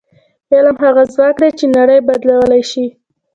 علم هغه ځواک دی چې نړۍ بدلولی شي.